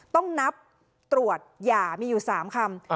ต้องนับตรวจหย่ามีอยู่๓คำ